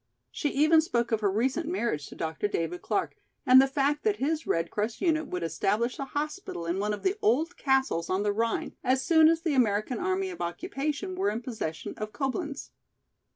She even spoke of her recent marriage to Dr. David Clark and the fact that his Red Cross unit would establish a hospital in one of the old castles on the Rhine as soon as the American Army of Occupation were in possession of Coblenz.